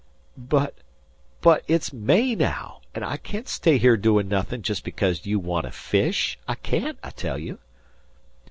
"But but it's May now, and I can't stay here doin' nothing just because you want to fish. I can't, I tell you!"